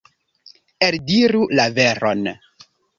Eldiru la veron.